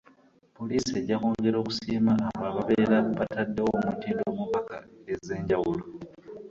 Poliisi ejja kwongera okusiima abo ababeera bataddewo omutindo mu mpaka ez'enjawulo.